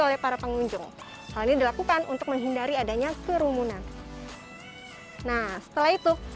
oleh para pengunjung hal ini dilakukan untuk menghindari adanya kerumunan nah setelah itu